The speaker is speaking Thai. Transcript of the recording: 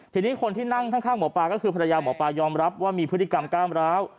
ทีนี้คนที่นั่งข้างหมอปลาก็คือภรรยาหมอปลายอมรับว่ามีพฤติกรรมก้ามร้าว